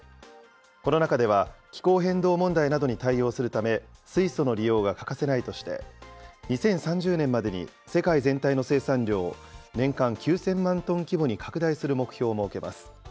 この中では、気候変動問題などに対応するため、水素の利用が欠かせないとして、２０３０年までに世界全体の生産量を年間９０００万トン規模に拡大する目標を設けます。